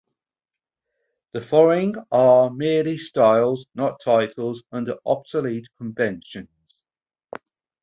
The following are merely styles, not titles, under obsolete conventions.